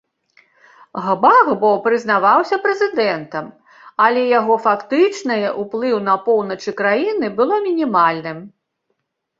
Гбагбо прызнаваўся прэзідэнтам, але яго фактычнае ўплыў на поўначы краіны было мінімальным.